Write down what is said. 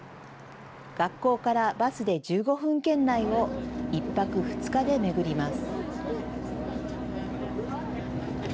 学校からバスで１５分圏内を１泊２日で巡ります。